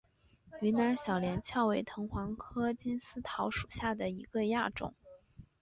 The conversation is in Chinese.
云南小连翘为藤黄科金丝桃属下的一个亚种。